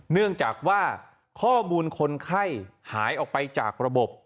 เนื่องจากว่าข้อมูลคนไข้หายออกไปจากระบบ